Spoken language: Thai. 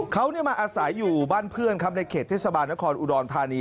เขามาอาศัยอยู่บ้านเพื่อนครับในเขตเทศบาลนครอุดรธานี